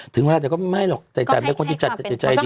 ถึงว่าอาจจะก็ไม่หรอกแต่จันทร์มันควรจะจัดใจดี